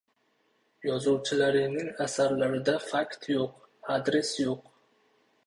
Yozuvchilaringning asarlarida fakt yo‘q, adres yo‘q!